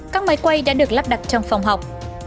các máy quay đã được lắp đặt trong phòng học